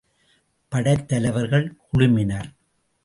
படைத் தலைவர்கள் குழுமினர்.